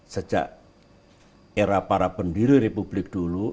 sejak era para pendiri republik dulu